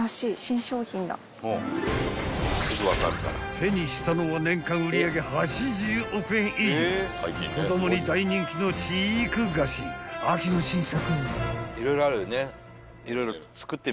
［手にしたのは年間売り上げ８０億円以上子供に大人気の知育菓子秋の新作］